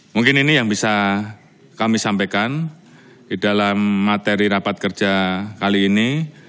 mungkin ini yang bisa kami sampaikan di dalam materi rapat kerja kali ini